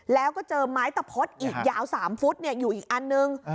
แล้วก็เจอไม้ตะพดอีกยาว๓ฟุตอยู่อีกอันนึง